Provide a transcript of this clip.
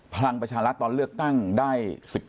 พลังประชารัฐตอนเลือกตั้งได้๑๘